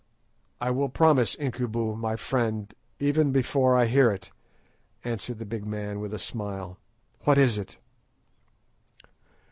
"I will promise, Incubu, my friend, even before I hear it," answered the big man with a smile. "What is it?"